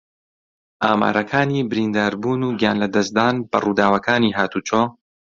ئامارەکانی برینداربوون و گیانلەدەستدان بە ڕووداوەکانی ھاتوچۆ